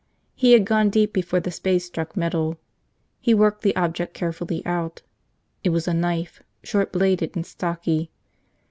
He had gone deep before the spade struck metal. He worked the object carefully out. It was a knife, short bladed and stocky.